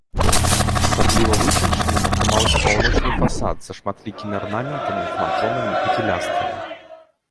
Асабліва вытанчаным атрымаўся паўночны фасад са шматлікімі арнаментамі, франтонамі і пілястрамі.